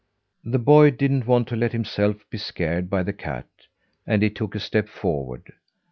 The boy didn't want to let himself be scared by a cat, and he took a step forward.